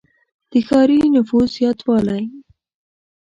• د ښاري نفوس زیاتوالی.